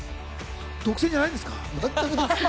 独占じゃないんですか？